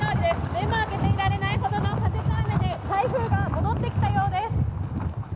目も開けていられないほどの風と雨で台風が戻ってきたようです。